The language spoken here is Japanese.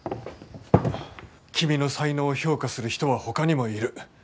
君の才能を評価する人はほかにもいる。